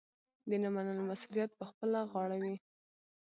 د نه منلو مسوولیت پخپله غاړه وي.